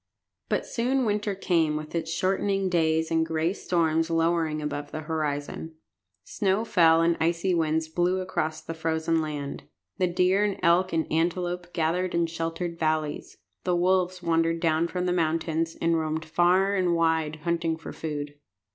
But soon winter came with its shortening days and gray storms lowering above the horizon. Snow fell, and icy winds blew across the frozen land. The deer and elk and antelope gathered in sheltered valleys. The wolves wandered down from the mountains, and roamed far and wide, hunting for food.